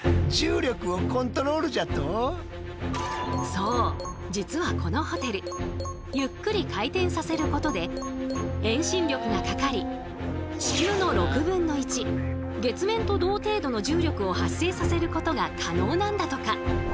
そう実はこのホテルゆっくり回転させることで遠心力がかかり地球の６分の１月面と同程度の重力を発生させることが可能なんだとか。